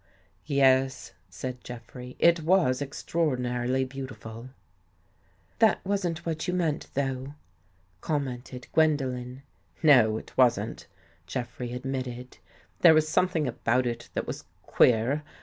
"Yes," said Jeffrey, "it was extraordinarily beautiful." " That wasn't what you meant, though," com mented Gwendolen. " No, it wasn't," Jeffrey admitted. " There was something about it that was queer.